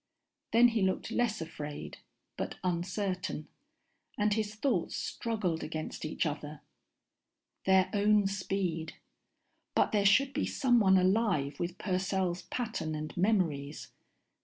_ Then he looked less afraid, but uncertain, and his thoughts struggled against each other. _Their own speed. But there should be someone alive with Purcell's pattern and memories.